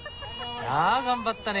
あ頑張ったね。